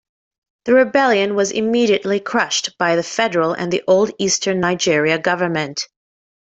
The rebellion was immediately crushed by the Federal and the old Eastern Nigeria government.